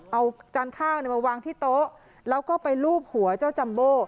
เอาจานข้าวมาวางที่โต๊ะแล้วก็ไปลูบหัวเจ้าจัมโบ